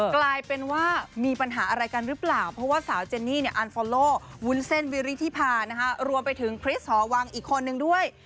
กลายเป็นว่ามีปัญหาอะไรกันหรือเปล่าเพราะว่าสาวเจนนี่เนี่ยอันฟอลโลวุ้นเส้นวิริธิพารวมไปถึงคริสหอวังอีกคนนึงด้วย